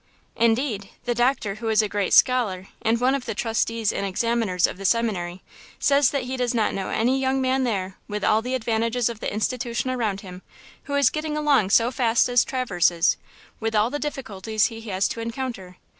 "Indeed, the doctor, who is a great scholar, and one of the trustees and examiners of the Seminary, says that he does not know any young man there, with all the advantages of the institution around him, who is getting along so fast as Traverse is, with all the difficulties he has to encounter.